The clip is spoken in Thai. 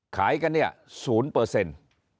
ขายกันเนี่ยศูนย์เปอร์เซนต์